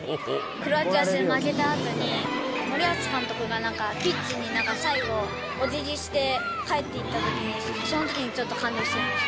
クロアチア戦負けたあとに、森保監督がピッチに最後、おじぎして帰っていったときに、そのときにちょっと感動しました。